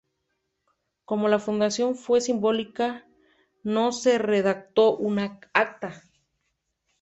Como la fundación fue simbólica no se redactó una acta.